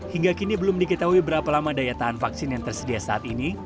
hingga kini belum diketahui berapa lama daya tahan vaksin yang tersedia saat ini